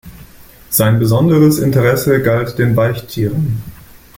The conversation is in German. Sein besonderes Interesse galt den Weichtieren.